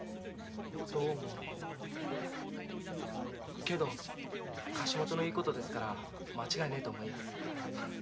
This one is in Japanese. どうもけど貸元の言うことですから間違いねぇと思います。